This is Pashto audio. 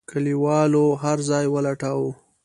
کليوالو هرځای ولټاوه.